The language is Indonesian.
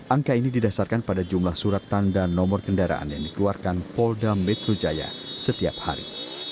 angka ini didasarkan pada jumlah surat tanda nomor kendaraan yang dikeluarkan polda metro jaya setiap hari